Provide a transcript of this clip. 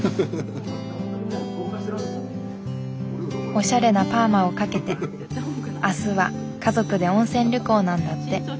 おしゃれなパーマをかけて明日は家族で温泉旅行なんだって。